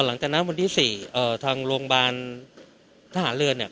หลังจากนั้นวันที่๔ทางโรงพยาบาลทหารเรือเนี่ย